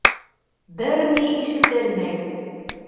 Бер ни ишетелмәй.